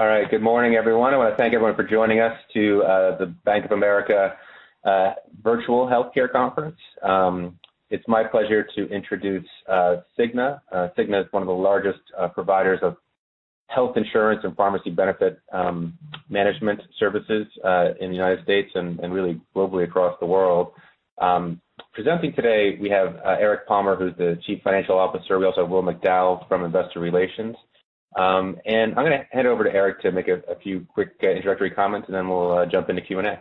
All right, good morning, everyone. I want to thank everyone for joining us to the Bank of America Virtual Health Care Conference. It's my pleasure to introduce Cigna. Cigna is one of the largest providers of health insurance and pharmacy benefit management services in the United States and really globally across the world. Presenting today, we have Eric Palmer, who's the Chief Financial Officer. We also have Will McDowell from Investor Relations. I'm going to hand it over to Eric to make a few quick introductory comments, and then we'll jump into Q&A.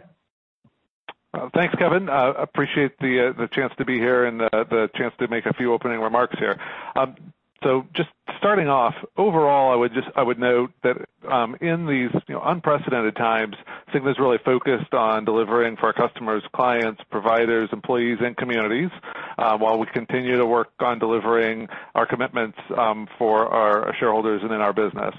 Thanks, Kevin. I appreciate the chance to be here and the chance to make a few opening remarks here. Just starting off, overall, I would just note that in these unprecedented times, Cigna is really focused on delivering for our customers, clients, providers, employees, and communities while we continue to work on delivering our commitments for our shareholders and in our business.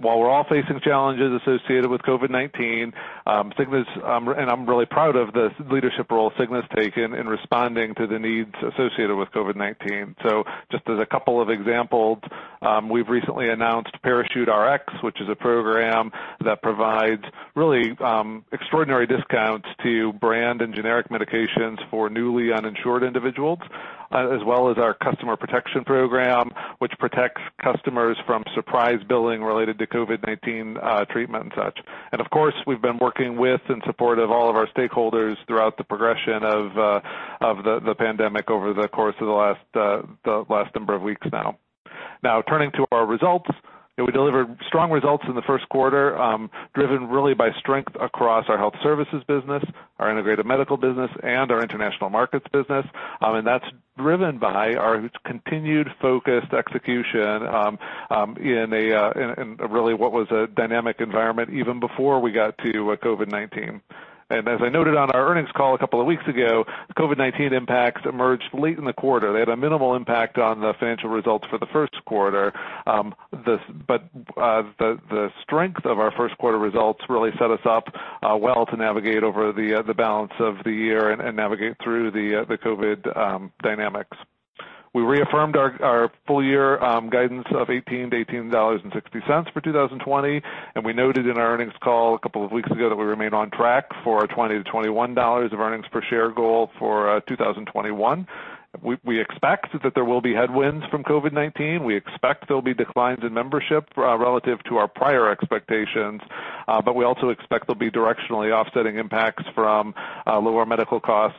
While we're all facing challenges associated with COVID-19, Cigna is, and I'm really proud of the leadership role Cigna has taken in responding to the needs associated with COVID-19. Just as a couple of examples, we've recently announced Parachute Rx, which is a program that provides really extraordinary discounts to brand and generic medications for newly uninsured individuals, as well as our Customer Protection Program, which protects customers from surprise billing related to COVID-19 treatment and such. Of course, we've been working with and in support of all of our stakeholders throughout the progression of the pandemic over the course of the last number of weeks now. Now, turning to our results, we delivered strong results in the first quarter, driven really by strength across our health services business, our integrative medical business, and our international markets business. That's driven by our continued focused execution in what was a dynamic environment even before we got to COVID-19. As I noted on our earnings call a couple of weeks ago, COVID-19 impacts emerged late in the quarter. They had a minimal impact on the financial results for the first quarter. The strength of our first quarter results really set us up well to navigate over the balance of the year and navigate through the COVID dynamics. We reaffirmed our full-year guidance of $18-$18.60 for 2020. We noted in our earnings call a couple of weeks ago that we remain on track for $20-$21 of earnings per share goal for 2021. We expect that there will be headwinds from COVID-19. We expect there will be declines in membership relative to our prior expectations. We also expect there will be directionally offsetting impacts from lower medical costs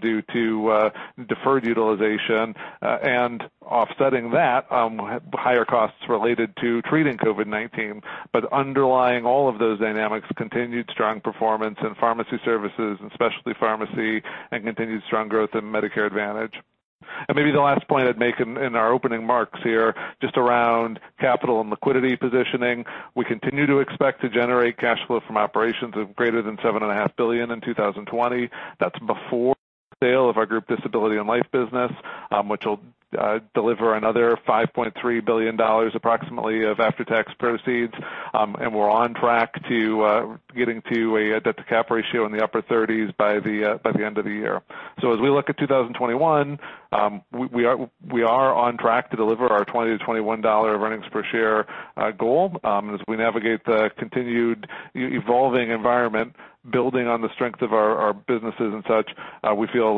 due to deferred utilization and offsetting that higher costs related to treating COVID-19. Underlying all of those dynamics, continued strong performance in pharmacy services, especially pharmacy, and continued strong growth in Medicare Advantage. Maybe the last point I'd make in our opening marks here just around capital and liquidity positioning, we continue to expect to generate cash flow from operations of greater than $7.5 billion in 2020. That's before the sale of our group disability and life business, which will deliver another $5.3 billion approximately of after-tax proceeds. We're on track to getting to a debt-to-capitalization ratio in the upper 30% by the end of the year. As we look at 2021, we are on track to deliver our $20-$21 of earnings per share goal. As we navigate the continued evolving environment, building on the strength of our businesses and such, we feel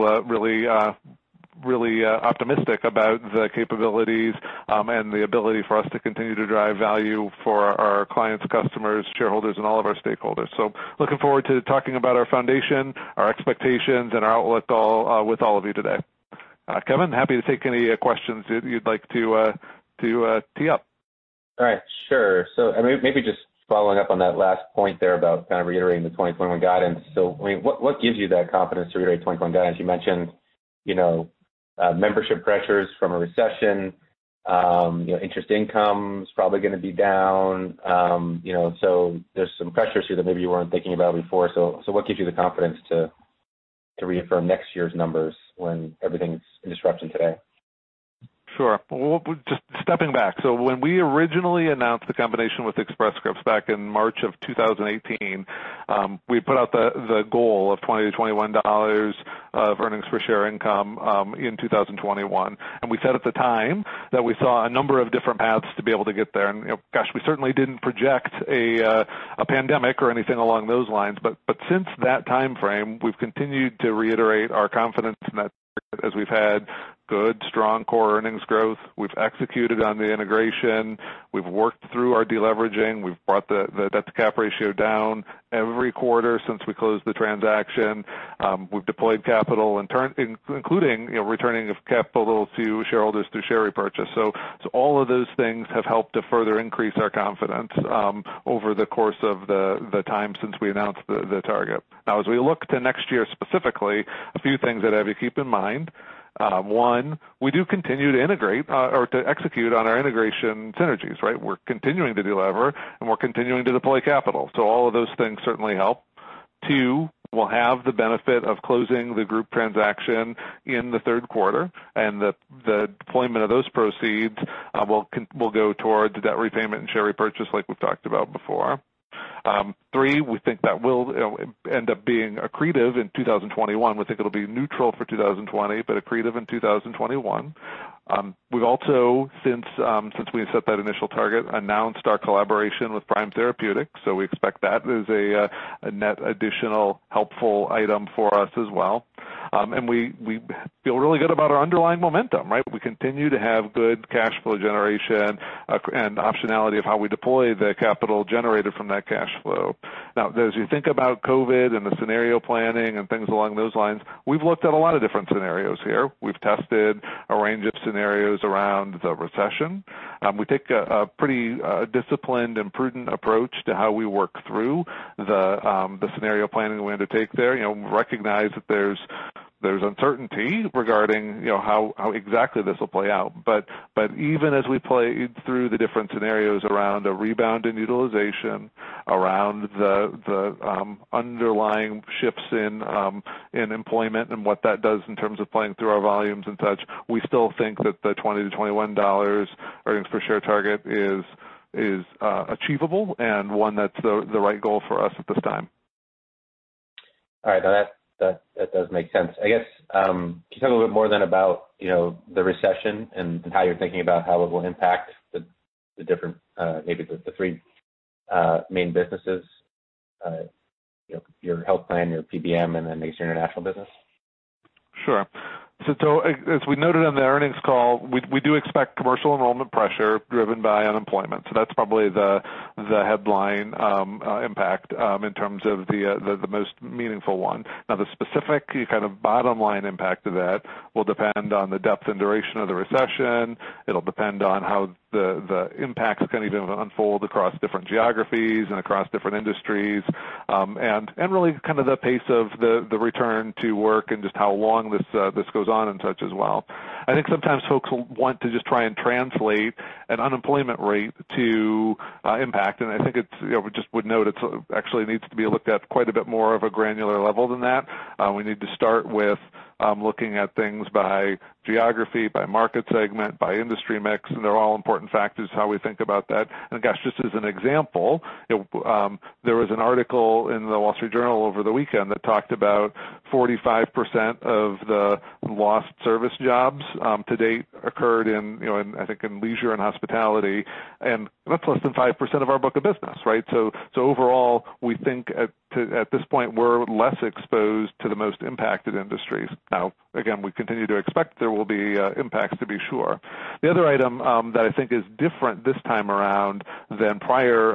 really optimistic about the capabilities and the ability for us to continue to drive value for our clients, customers, shareholders, and all of our stakeholders. Looking forward to talking about our foundation, our expectations, and our outlook with all of you today. Kevin, happy to take any questions you'd like to tee up. All right, sure. Maybe just following up on that last point there about kind of reiterating the 2020 guidance. What gives you that confidence to reiterate the 2020 guidance? You mentioned membership pressures from a recession, interest incomes probably going to be down. There are some pressures here that maybe you weren't thinking about before. What gives you the confidence to reaffirm next year's numbers when everything is in disruption today? Sure. Just stepping back, when we originally announced the combination with Express Scripts back in March of 2018, we put out the goal of $20-$21 of earnings per share income in 2021. We said at the time that we saw a number of different paths to be able to get there. We certainly didn't project a pandemic or anything along those lines. Since that time frame, we've continued to reiterate our confidence in that as we've had good, strong core earnings growth. We've executed on the integration. We've worked through our deleveraging. We've brought the debt-to-capitalization ratio down every quarter since we closed the transaction. We've deployed capital, including returning capital to shareholders through share repurchase. All of those things have helped to further increase our confidence over the course of the time since we announced the target. Now, as we look to next year specifically, a few things that I have you keep in mind. One, we do continue to integrate or to execute on our integration synergies, right? We're continuing to deliver, and we're continuing to deploy capital. All of those things certainly help. Two, we'll have the benefit of closing the group transaction in the third quarter, and the deployment of those proceeds will go towards debt repayment and share repurchase like we've talked about before. Three, we think that will end up being accretive in 2021. We think it'll be neutral for 2020, but accretive in 2021. We've also, since we set that initial target, announced our collaboration with Prime Therapeutics. We expect that as a net additional helpful item for us as well. We feel really good about our underlying momentum, right? We continue to have good cash flow generation and optionality of how we deploy the capital generated from that cash flow. As you think about COVID and the scenario planning and things along those lines, we've looked at a lot of different scenarios here. We've tested a range of scenarios around the recession. We take a pretty disciplined and prudent approach to how we work through the scenario planning we undertake there. We recognize that there's uncertainty regarding how exactly this will play out. Even as we play through the different scenarios around a rebound in utilization, around the underlying shifts in employment and what that does in terms of playing through our volumes and such, we still think that the $20-$21 earnings per share target is achievable and one that's the right goal for us at this time. All right, now that does make sense. I guess, can you talk a little bit more about the recession and how you're thinking about how it will impact the different, maybe the three main businesses, your Health Plan, your PBM, and then International Business? Sure. As we noted on the earnings call, we do expect commercial enrollment pressure driven by unemployment. That is probably the headline impact in terms of the most meaningful one. The specific kind of bottom line impact of that will depend on the depth and duration of the recession. It will depend on how the impacts can even unfold across different geographies and across different industries and really the pace of the return to work and just how long this goes on and such as well. I think sometimes folks will want to just try and translate an unemployment rate to impact. I would note it actually needs to be looked at quite a bit more of a granular level than that. We need to start with looking at things by geography, by market segment, by industry mix. They are all important factors to how we think about that. Just as an example, there was an article in The Wall Street Journal over the weekend that talked about 45% of the lost service jobs to date occurred in, I think, in leisure and hospitality. That is less than 5% of our book of business, right? Overall, we think at this point we are less exposed to the most impacted industries. We continue to expect there will be impacts to be sure. The other item that I think is different this time around than prior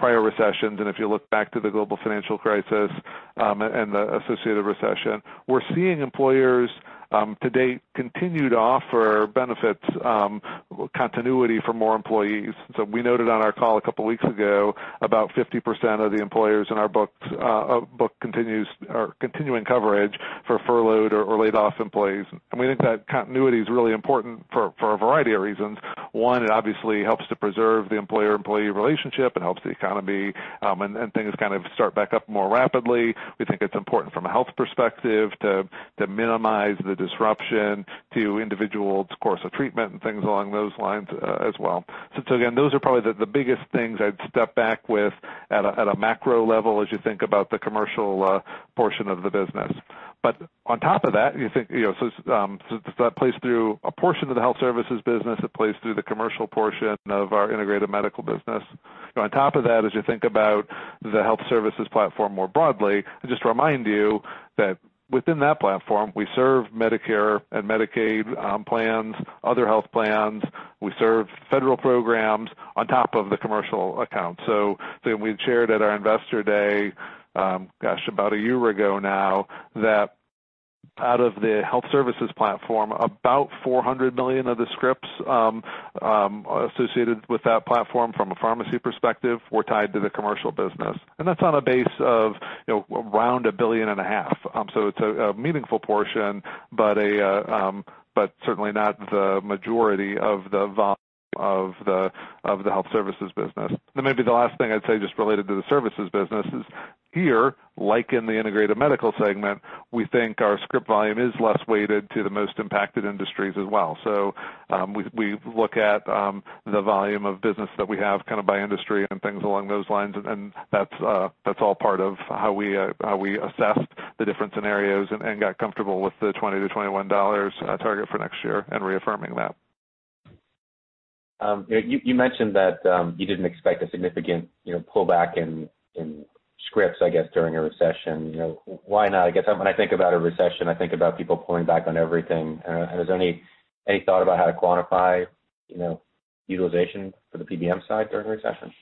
recessions, and if you look back to the global financial crisis and the associated recession, we are seeing employers to date continue to offer benefits continuity for more employees. We noted on our call a couple of weeks ago about 50% of the employers in our book continuing coverage for furloughed or laid off employees. We think that continuity is really important for a variety of reasons. One, it obviously helps to preserve the employer-employee relationship. It helps the economy and things start back up more rapidly. We think it is important from a health perspective to minimize the disruption to individuals, of course, treatment and things along those lines as well. Those are probably the biggest things I would step back with at a macro level as you think about the commercial portion of the business. On top of that, you think, that plays through a portion of the health services business. It plays through the commercial portion of our integrated medical business. On top of that, as you think about the health services platform more broadly, I just remind you that within that platform, we serve Medicare and Medicaid plans, other health plans. We serve federal programs on top of the commercial account. We shared at our Investor Day, about a year ago now, that out of the health services platform, about $400 million of the scripts associated with that platform from a pharmacy perspective were tied to the commercial business. That's on a base of around $1.5 billion. It's a meaningful portion, but certainly not the majority of the volume of the health services business. Maybe the last thing I'd say just related to the services business is here, like in the Integrated Medical segment, we think our script volume is less weighted to the most impacted industries as well. We look at the volume of business that we have kind of by industry and things along those lines. That's all part of how we assess the different scenarios and got comfortable with the $20-$21 target for next year and reaffirming that. You mentioned that you didn't expect a significant pullback in scripts, I guess, during a recession. Why not? I guess when I think about a recession, I think about people pulling back on everything. Is there any thought about how to quantify utilization for the PBM side during the recession?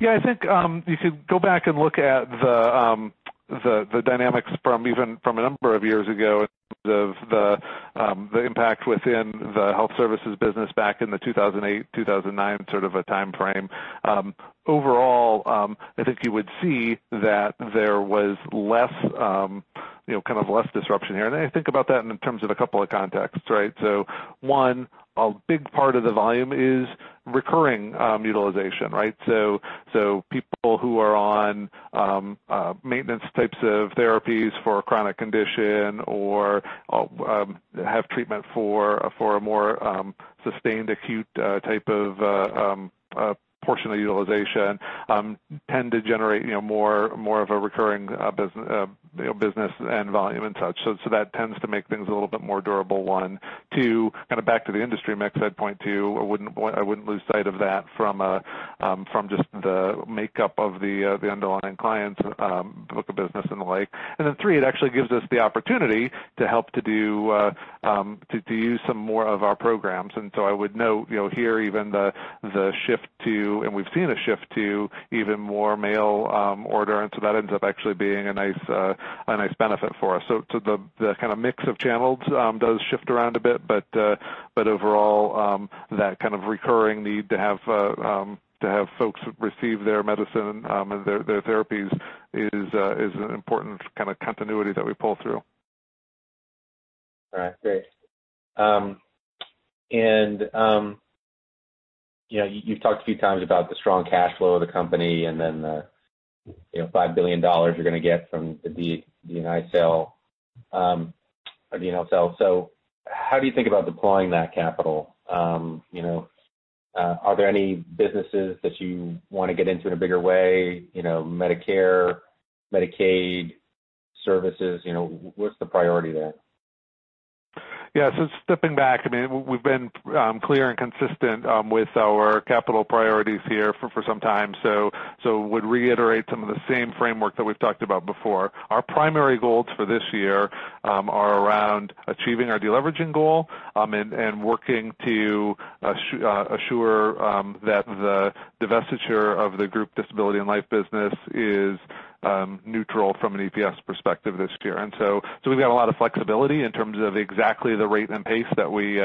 Yeah, I think you could go back and look at the dynamics from even a number of years ago in terms of the impact within the health services business back in the 2008, 2009 sort of a time frame. Overall, I think you would see that there was kind of less disruption here. I think about that in terms of a couple of contexts, right? One, a big part of the volume is recurring utilization, right? People who are on maintenance types of therapies for a chronic condition or have treatment for a more sustained acute type of portion of utilization tend to generate more of a recurring business and volume and such. That tends to make things a little bit more durable, one. Two, kind of back to the industry mix I'd point to. I wouldn't lose sight of that from just the makeup of the underlying clients, the book of business and the like. Three, it actually gives us the opportunity to help to use some more of our programs. I would note here even the shift to, and we've seen a shift to even more mail order. That ends up actually being a nice benefit for us. The kind of mix of channels does shift around a bit. Overall, that kind of recurring need to have folks receive their medicine and their therapies is an important kind of continuity that we pull through. All right, great. You've talked a few times about the strong cash flow of the company and then the $5 billion you're going to get from the United sale. How do you think about deploying that capital? Are there any businesses that you want to get into in a bigger way? Medicare, Medicaid services? What's the priority there? Yeah, so stepping back, I mean, we've been clear and consistent with our capital priorities here for some time. I would reiterate some of the same framework that we've talked about before. Our primary goals for this year are around achieving our deleveraging goal and working to assure that the divestiture of the group disability and life business is neutral from an EPS perspective this year. We've got a lot of flexibility in terms of exactly the rate and pace that we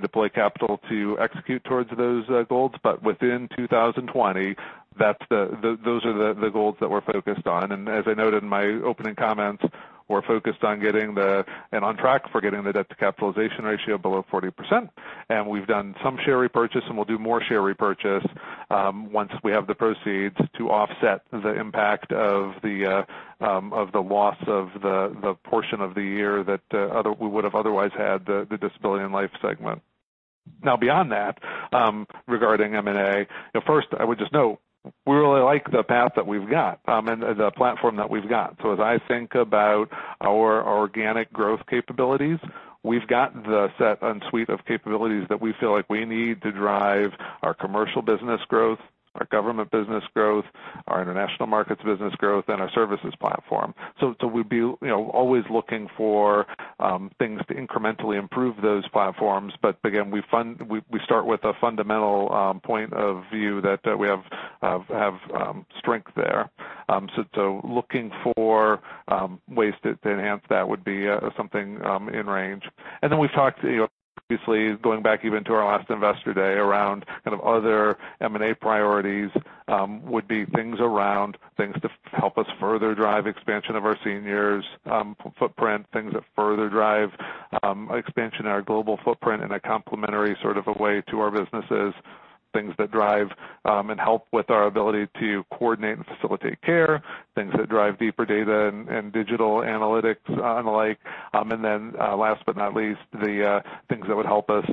deploy capital to execute towards those goals. Within 2020, those are the goals that we're focused on. As I noted in my opening comments, we're focused on getting the debt-to-capitalization ratio below 40%. We've done some share repurchase, and we'll do more share repurchase once we have the proceeds to offset the impact of the loss of the portion of the year that we would have otherwise had the disability and life segment. Now, beyond that, regarding M&A, first, I would just note we really like the path that we've got and the platform that we've got. As I think about our organic growth capabilities, we've got the set and suite of capabilities that we feel like we need to drive our commercial business growth, our government business growth, our international markets business growth, and our services platform. We'd be always looking for things to incrementally improve those platforms. Again, we start with a fundamental point of view that we have strength there. Looking for ways to enhance that would be something in range. We've talked, obviously, going back even to our last Investor Day around kind of other M&A priorities would be things to help us further drive expansion of our seniors' footprint, things that further drive expansion in our global footprint in a complementary sort of a way to our businesses, things that drive and help with our ability to coordinate and facilitate care, things that drive deeper data and digital analytics and the like. Last but not least, the things that would help us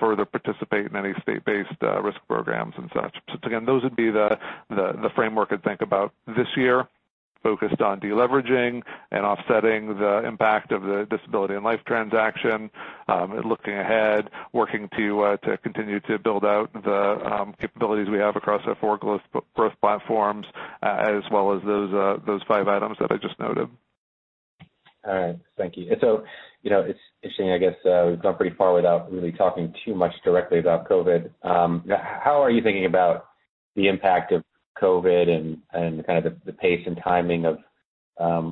further participate in any state-based risk programs and such. Again, those would be the framework I'd think about this year, focused on deleveraging and offsetting the impact of the disability and life transaction, looking ahead, working to continue to build out the capabilities we have across our four growth platforms, as well as those five items that I just noted. All right, thank you. It's interesting, I guess we've gone pretty far without really talking too much directly about COVID. How are you thinking about the impact of COVID and the pace and timing of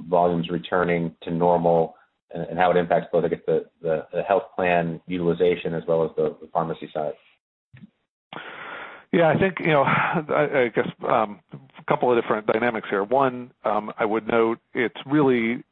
volumes returning to normal, and how it impacts both, I guess, the health plan utilization as well as the pharmacy side? Yeah, I think a couple of different dynamics here. One, I would note it's really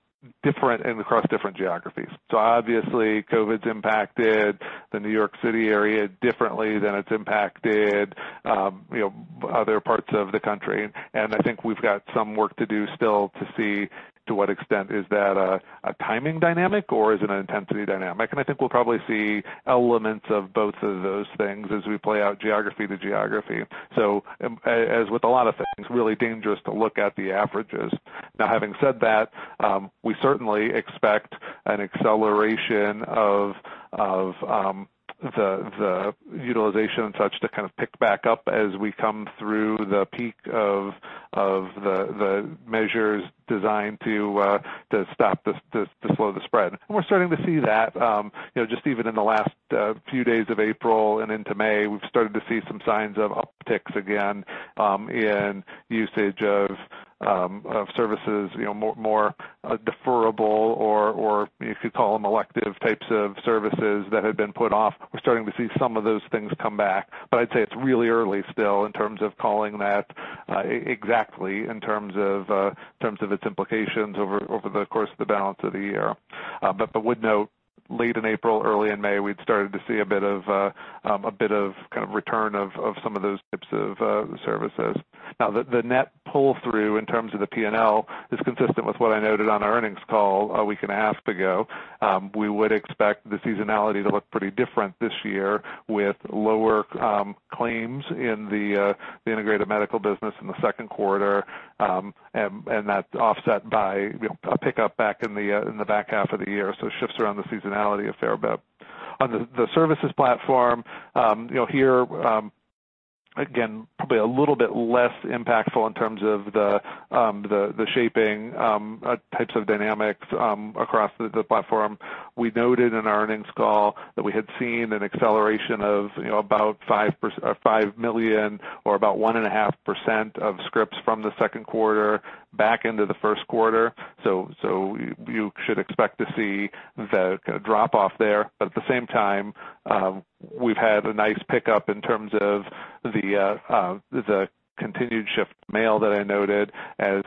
different across different geographies. Obviously, COVID's impacted the New York City area differently than it's impacted other parts of the country. I think we've got some work to do still to see to what extent is that a timing dynamic or is it an intensity dynamic. I think we'll probably see elements of both of those things as we play out geography to geography. As with a lot of things, it's really dangerous to look at the averages. Having said that, we certainly expect an acceleration of the utilization and such to kind of pick back up as we come through the peak of the measures designed to slow the spread. We're starting to see that just even in the last few days of April and into May, we've started to see some signs of upticks again in usage of services, more deferable or you could call them elective types of services that had been put off. We're starting to see some of those things come back. I'd say it's really early still in terms of calling that exactly in terms of its implications over the course of the balance of the year. I would note late in April, early in May, we'd started to see a bit of kind of return of some of those types of services. The net pull-through in terms of the P&L is consistent with what I noted on our earnings call a week and a half ago. We would expect the seasonality to look pretty different this year with lower claims in the integrative medical business in the second quarter and that offset by a pickup back in the back half of the year. It shifts around the seasonality a fair bit. On the services platform, here again, a little bit less impactful in terms of the shaping types of dynamics across the platform. We noted in our earnings call that we had seen an acceleration of about 5 million or about 1.5% of scripts from the second quarter back into the first quarter. You should expect to see the drop-off there. At the same time, we've had a nice pickup in terms of the continued shift mail that I noted as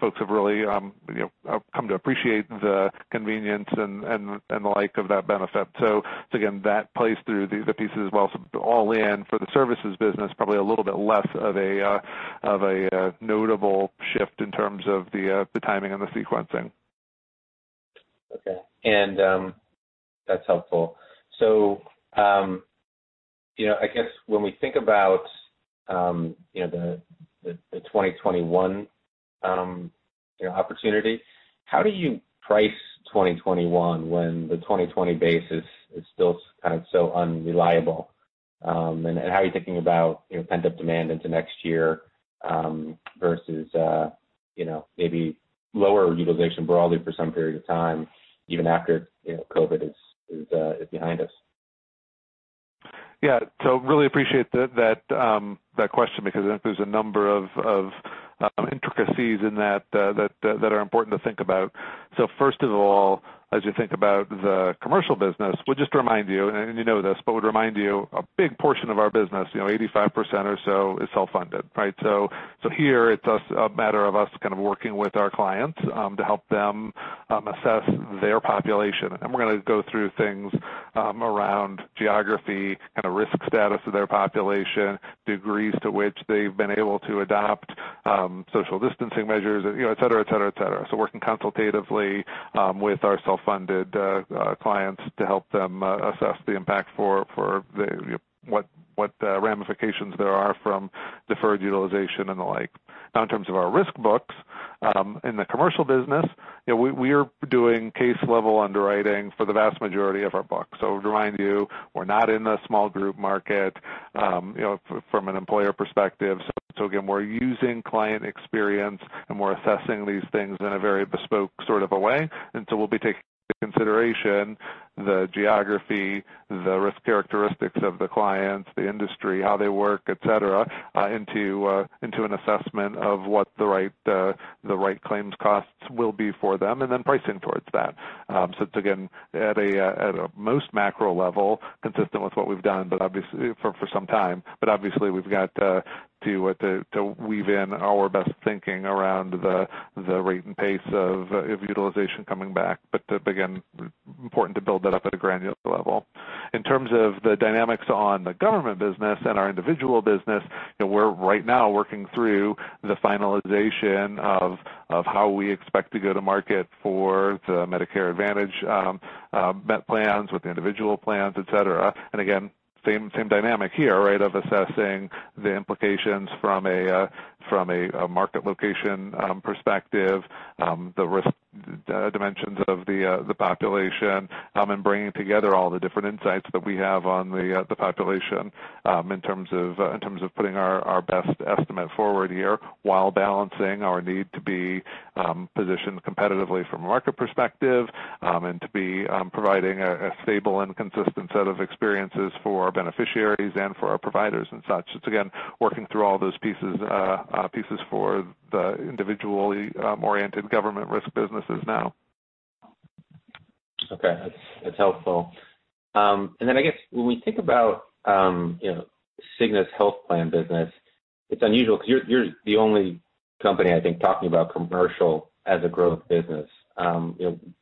folks have really come to appreciate the convenience and the like of that benefit. That plays through the pieces as well. All in for the services business, probably a little bit less of a notable shift in terms of the timing and the sequencing. OK, that's helpful. I guess when we think about the 2021 opportunity, how do you price 2021 when the 2020 basis is still kind of so unreliable? How are you thinking about pent-up demand into next year versus maybe lower utilization broadly for some period of time even after COVID is behind us? Yeah, I really appreciate that question because I think there's a number of intricacies in that that are important to think about. First of all, as you think about the commercial business, we'll just remind you, and you know this, but we'll remind you a big portion of our business, 85% or so is self-funded, right? Here, it's a matter of us working with our clients to help them assess their population. We're going to go through things around geography, kind of risk status of their population, degrees to which they've been able to adopt social distancing measures, et cetera. Working consultatively with our self-funded clients to help them assess the impact for what ramifications there are from deferred utilization and the like. Now, in terms of our risk books in the commercial business, we are doing case-level underwriting for the vast majority of our books. I would remind you, we're not in the small group market from an employer perspective. We're using client experience, and we're assessing these things in a very bespoke sort of way. We'll be taking into consideration the geography, the risk characteristics of the clients, the industry, how they work, etc., into an assessment of what the right claims costs will be for them and then pricing towards that. At a most macro-level, it's consistent with what we've done for some time. Obviously, we've got to weave in our best thinking around the rate and pace of utilization coming back. Again, it's important to build that up at a granular level. In terms of the dynamics on the government business and our individual business, we're right now working through the finalization of how we expect to go to market for the Medicare Advantage MAP plans with the individual plans, etc. Again, same dynamic here, right, of assessing the implications from a market location perspective, the risk dimensions of the population, and bringing together all the different insights that we have on the population in terms of putting our best estimate forward here while balancing our need to be positioned competitively from a market perspective and to be providing a stable and consistent set of experiences for our beneficiaries and for our providers and such. It's working through all those pieces for the individually oriented government risk businesses now. OK, that's helpful. I guess when we think about Cigna's health plan business, it's unusual because you're the only company, I think, talking about commercial as a growth business.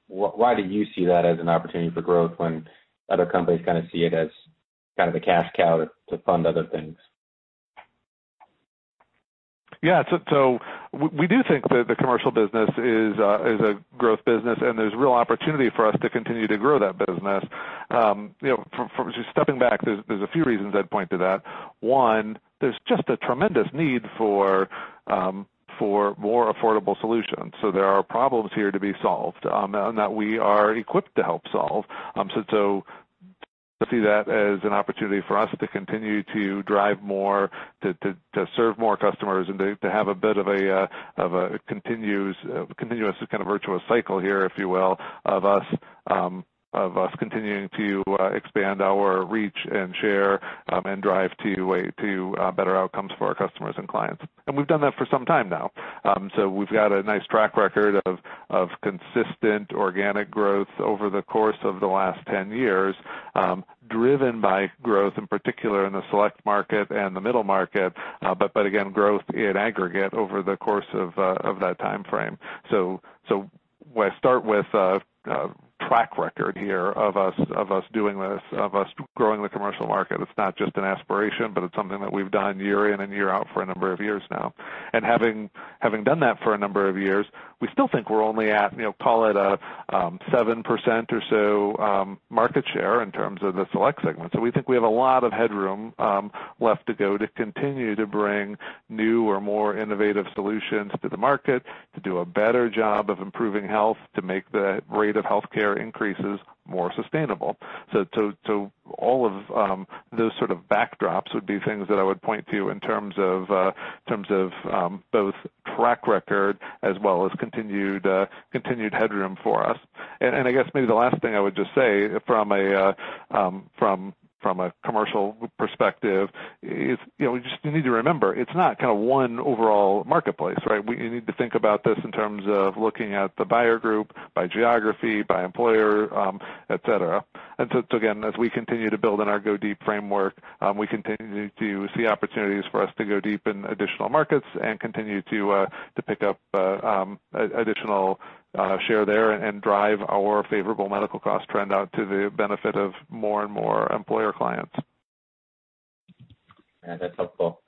Why do you see that as an opportunity for growth when other companies kind of see it as kind of a cash cow to fund other things? Yeah, we do think that the commercial business is a growth business, and there's real opportunity for us to continue to grow that business. Stepping back, there's a few reasons I'd point to that. One, there's just a tremendous need for more affordable solutions. There are problems here to be solved and that we are equipped to help solve. I see that as an opportunity for us to continue to drive more, to serve more customers, and to have a bit of a continuous kind of virtuous cycle here, if you will, of us continuing to expand our reach and share and drive to better outcomes for our customers and clients. We've done that for some time now. We've got a nice track record of consistent organic growth over the course of the last 10 years, driven by growth in particular in the select market and the middle market, but again, growth in aggregate over the course of that time frame. I start with a track record here of us doing this, of us growing the commercial market. It's not just an aspiration, but it's something that we've done year in and year out for a number of years now. Having done that for a number of years, we still think we're only at, call it a 7% or so market share in terms of the select segment. We think we have a lot of headroom left to go to continue to bring new or more innovative solutions to the market, to do a better job of improving health, to make the rate of health care increases more sustainable. All of those sort of backdrops would be things that I would point to in terms of both track record as well as continued headroom for us. Maybe the last thing I would just say from a commercial perspective is you just need to remember it's not kind of one overall marketplace, right? We need to think about this in terms of looking at the buyer group, by geography, by employer, etc. As we continue to build in our go deep framework, we continue to see opportunities for us to go deep in additional markets and continue to pick up additional share there and drive our favorable medical cost trend out to the benefit of more and more employer clients. That's helpful.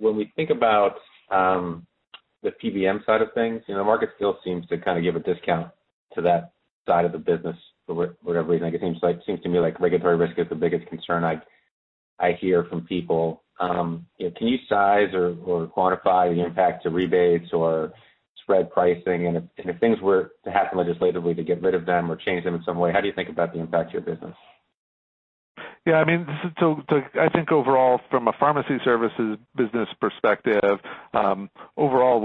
When we think about the PBM side of things, the market still seems to kind of give a discount to that side of the business for whatever reason. It seems to me like regulatory risk is the biggest concern I hear from people. Can you size or quantify the impact to rebates or spread pricing? If things were to happen legislatively to get rid of them or change them in some way, how do you think about the impact to your business? Yeah, I mean, I think overall from a pharmacy services business perspective,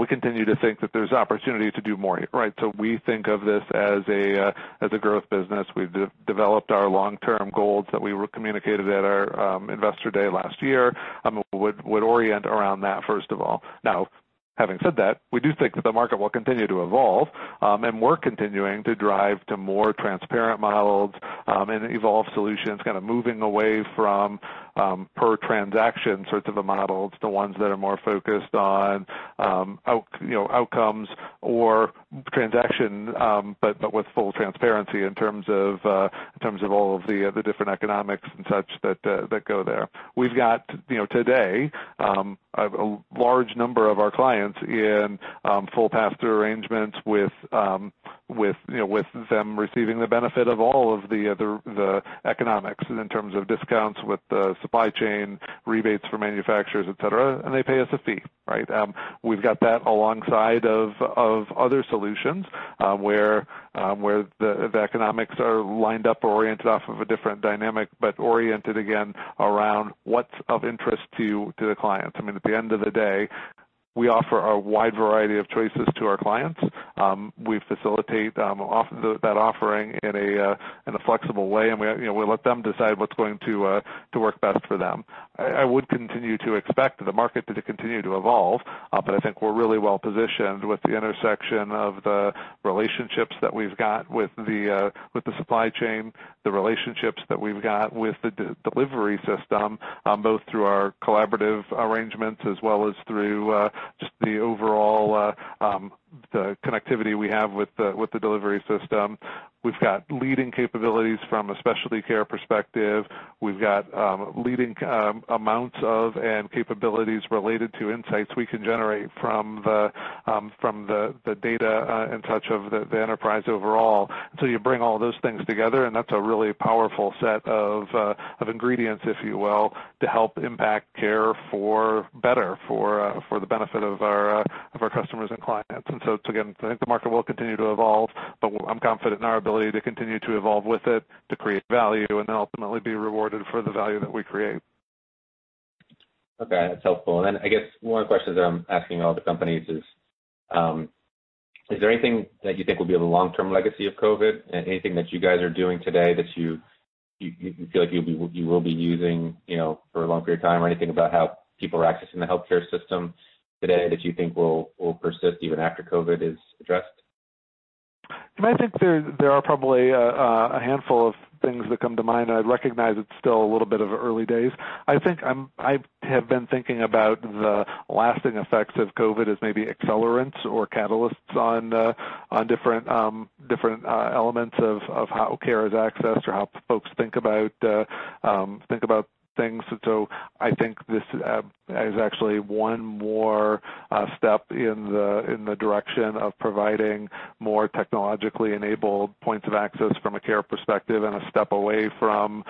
we continue to think that there's opportunity to do more, right? We think of this as a growth business. We've developed our long-term goals that we communicated at our Investor Day last year and would orient around that, first of all. Now, having said that, we do think that the market will continue to evolve. We're continuing to drive to more transparent models and evolve solutions, kind of moving away from per transaction sorts of models to ones that are more focused on outcomes or transaction, but with full transparency in terms of all of the different economics and such that go there. We've got today a large number of our clients in full pass-through arrangements with them receiving the benefit of all of the economics in terms of discounts with the supply chain, rebates for manufacturers, et cetera. They pay us a fee, right? We've got that alongside other solutions where the economics are lined up or oriented off of a different dynamic, but oriented again around what's of interest to the clients. At the end of the day, we offer a wide variety of choices to our clients. We facilitate that offering in a flexible way. We let them decide what's going to work best for them. I would continue to expect the market to continue to evolve. I think we're really well positioned with the intersection of the relationships that we've got with the supply chain, the relationships that we've got with the delivery system, both through our collaborative arrangements as well as through just the overall connectivity we have with the delivery system. We've got leading capabilities from a specialty care perspective. We've got leading amounts of and capabilities related to insights we can generate from the data and such of the enterprise overall. You bring all those things together, and that's a really powerful set of ingredients, if you will, to help impact care better for the benefit of our customers and clients. Again, I think the market will continue to evolve. I'm confident in our ability to continue to evolve with it to create value and then ultimately be rewarded for the value that we create. OK, that's helpful. I guess one more question that I'm asking all the companies is, is there anything that you think will be the long-term legacy of COVID, and anything that you guys are doing today that you feel like you will be using for a long period of time? Anything about how people are accessing the health care system today that you think will persist even after COVID is addressed? I think there are probably a handful of things that come to mind. I recognize it's still a little bit of early days. I think I have been thinking about the lasting effects of COVID as maybe accelerants or catalysts on different elements of how care is accessed or how folks think about things. I think this is actually one more step in the direction of providing more technologically enabled points of access from a care perspective and a step away from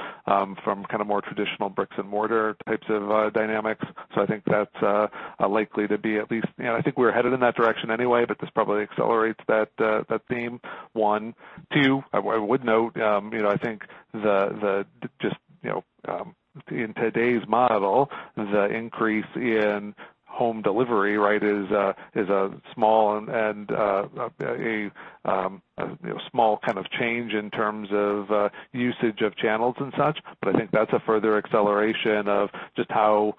more traditional bricks and mortar types of dynamics. I think that's likely to be at least, I think we're headed in that direction anyway. This probably accelerates that theme, one. Two, I would note, I think just in today's model, the increase in home delivery is a small kind of change in terms of usage of channels and such. I think that's a further acceleration of just how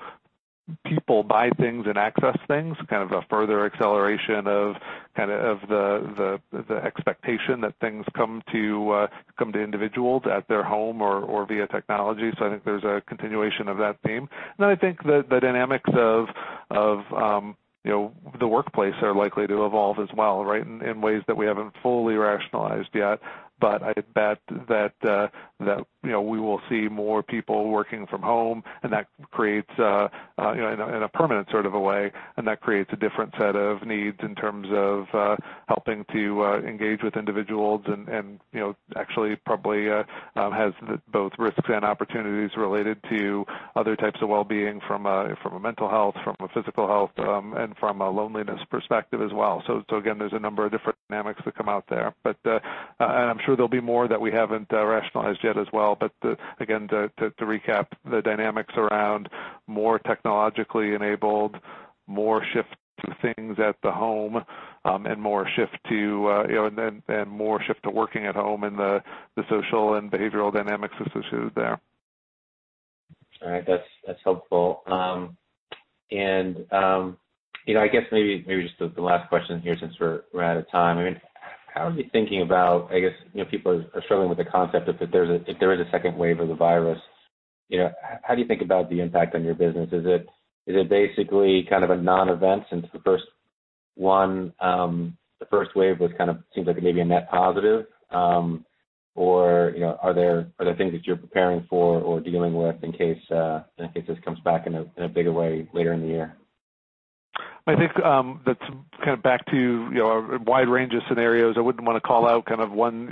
people buy things and access things, a further acceleration of the expectation that things come to individuals at their home or via technology. I think there's a continuation of that theme. I think the dynamics of the workplace are likely to evolve as well, right, in ways that we haven't fully rationalized yet. I bet that we will see more people working from home in a permanent sort of a way, and that creates a different set of needs in terms of helping to engage with individuals and actually probably has both risks and opportunities related to other types of well-being from a mental health, from a physical health, and from a loneliness perspective as well. There are a number of different dynamics that come out there. I'm sure there'll be more that we haven't rationalized yet as well. To recap, the dynamics around more technologically enabled, more shift to things at the home, and more shift to working at home, and the social and behavioral dynamics associated there. All right, that's helpful. I guess maybe just the last question here since we're out of time. I mean, how are you thinking about, I guess, people are struggling with the concept of if there is a second wave of the virus, how do you think about the impact on your business? Is it basically kind of a non-event since the first one, the first wave was kind of seems like maybe a net positive? Are there things that you're preparing for or dealing with in case this comes back in a bigger way later in the year? I think that's kind of back to a wide range of scenarios. I wouldn't want to call out kind of one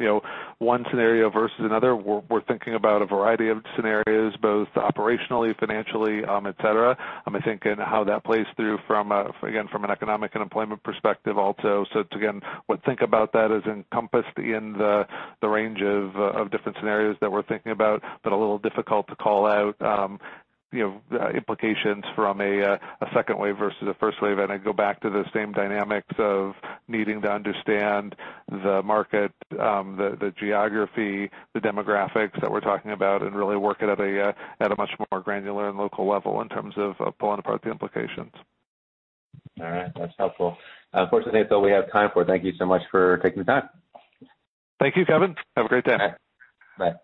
scenario versus another. We're thinking about a variety of scenarios, both operationally, financially, etc. I think in how that plays through from, again, from an economic and employment perspective also. What I think about that is encompassed in the range of different scenarios that we're thinking about, but it's a little difficult to call out implications from a second wave versus a first wave. I go back to the same dynamics of needing to understand the market, the geography, the demographics that we're talking about, and really work it at a much more granular and local level in terms of pulling apart the implications. All right, that's helpful. Unfortunately, that's all we have time for. Thank you so much for taking the time. Thank you, Kevin. Have a great day. All right, bye.